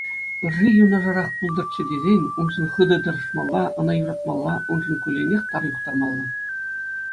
Ырри юнашарах пултӑрччӗ тесен уншӑн хытӑ тӑрӑшмалла, ӑна юратмалла, уншӑн кулленех тар юхтармалла.